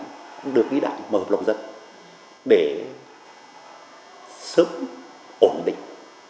cũng được lý đảm mà hợp lộng dẫn để sớm ổn định